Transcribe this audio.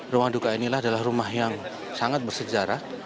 rumah duka inilah adalah rumah yang sangat bersejarah